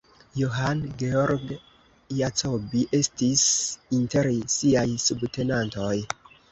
Johann Georg Jacobi estis inter siaj subtenantoj.